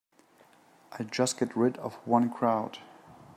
I just got rid of one crowd.